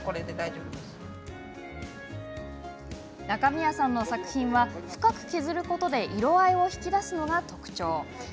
中宮さんの作品は深く削ることで色合いを引き出すのが特徴。